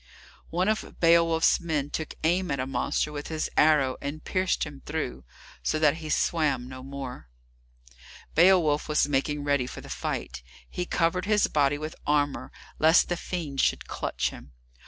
One of Beowulf's men took aim at a monster with his arrow, and pierced him through, so that he swam no more. Beowulf was making ready for the fight. He covered his body with armour lest the fiend should clutch him.